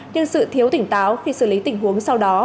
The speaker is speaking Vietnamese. nhưng sự thiếu tỉnh táo khi xử lý tình huống sau đó